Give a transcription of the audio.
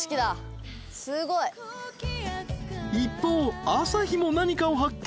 ［一方朝日も何かを発見］